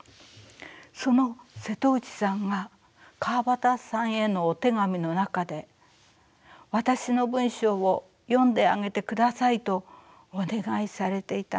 その瀬戸内さんが川端さんへのお手紙の中で私の文章を読んであげてくださいとお願いされていたのです。